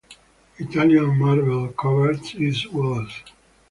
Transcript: Italian marble covers its walls.